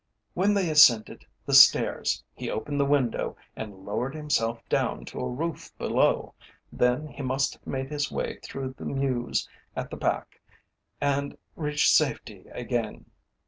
When they ascended the stairs he opened the window and lowered himself down to a roof below. Then he must have made his way through the mews at the back and reached safety again.